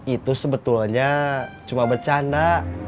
itu sebetulnya cuma bercanda